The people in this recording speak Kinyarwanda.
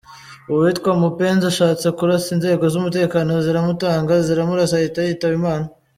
Uwitwa Mupenzi ashatse kurasa inzego z’umutekano ziramutanga ziramurasa ahita yitaba Imana.